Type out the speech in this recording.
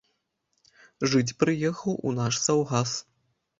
Жыць прыехаў у наш саўгас.